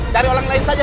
cari orang lain saja